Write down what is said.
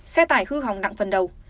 xe tài hư hỏng nặng phần đầu